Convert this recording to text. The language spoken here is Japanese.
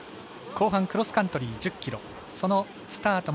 後半クロスカントリー１０ｋｍ。